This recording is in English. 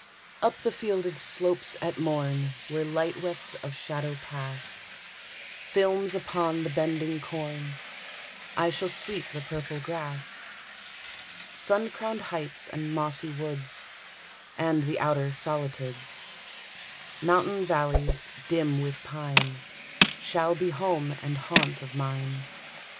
Up the fielded slopes at morn, Where light wefts of shadow pass, Films upon the bending corn, I shall sweep the purple grass. Sun crowned heights and mossy woods, And the outer solitudes, Mountain valleys, dim with pine, Shall be home and haunt of mine.